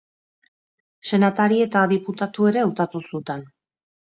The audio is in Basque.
Senatari eta diputatu ere hautatu zuten.